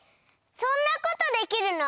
そんなことできるの？